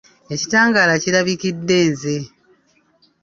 Ekitangaala kirabikidde nze.